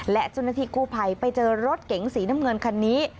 และเจ้าหน้าที่กู้ภัยไปเจอรถเก๋งสีน้ำเงินคันนี้